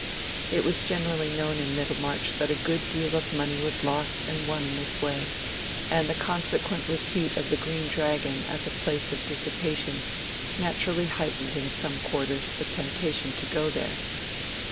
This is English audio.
It was generally known in Middlemarch that a good deal of money was lost and won in this way; and the consequent repute of the Green Dragon as a place of dissipation naturally heightened in some quarters the temptation to go there.